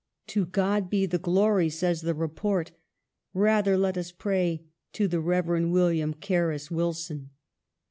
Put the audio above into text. " To God be the glory," says the report. Rather, let us pray, to the Rev. William Carus Wilson.